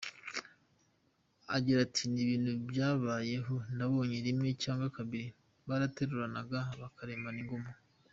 Agira ati “Ni ibintu byabayeho ntabonye rimwe cyangwa kabiri, barateruranaga bakaremana inguma.